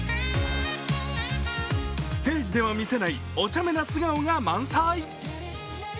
ステージでは見せないお茶目な素顔が満載。